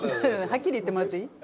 ハッキリ言ってもらっていい？